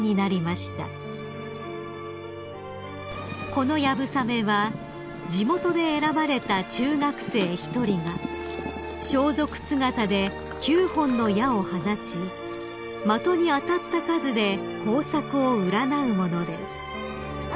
［この流鏑馬は地元で選ばれた中学生１人が装束姿で９本の矢を放ち的に当たった数で豊作を占うものです］